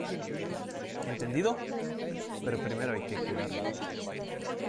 ¿ entendido? pero primero hay que curarlo.